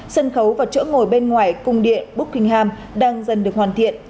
sân khấu và chỗ ngồi bên ngoài cung điện booking ham đang dần được hoàn thiện